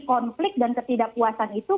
konflik dan ketidakpuasan itu